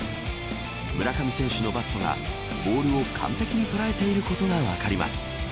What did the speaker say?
村上選手のバットがボールを完璧に捉えていることが分かります。